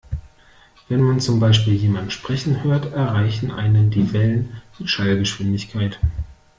Wenn man zum Beispiel jemanden sprechen hört, erreichen einen die Wellen mit Schallgeschwindigkeit.